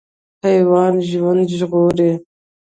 حیوان ژوند ژغوري.